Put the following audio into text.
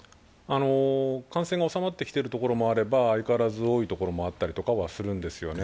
感染が収まってきているところもあれば相変わらず多いところもあったりとかはするんですよね。